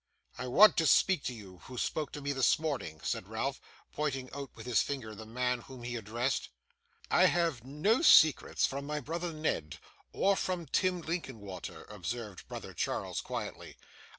'I want to speak to you, who spoke to me this morning,' said Ralph, pointing out with his finger the man whom he addressed. 'I have no secrets from my brother Ned, or from Tim Linkinwater,' observed brother Charles quietly.